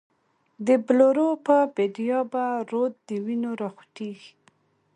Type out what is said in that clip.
دبلورو په بیدیا به، رود دوینو راخوټیږی